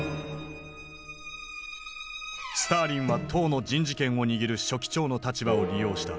スターリンは党の人事権を握る書記長の立場を利用した。